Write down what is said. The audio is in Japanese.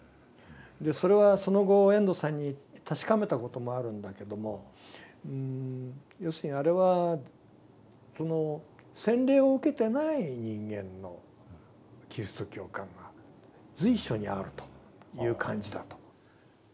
それはその後遠藤さんに確かめたこともあるんだけども要するにあれはその洗礼を受けてない人間のキリスト教感が随所にあるという感じだと。